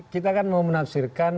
kita kan mau menafsirkan